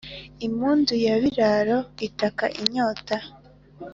impundu ya biraro itaka inyota.